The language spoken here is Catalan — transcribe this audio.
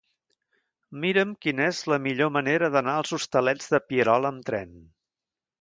Mira'm quina és la millor manera d'anar als Hostalets de Pierola amb tren.